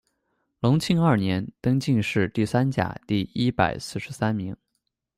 隆庆二年，登进士第三甲第一百四十三名。